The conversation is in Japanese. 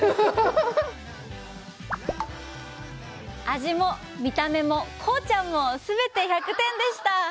味も見た目も幸ちゃんもすべて１００点でした！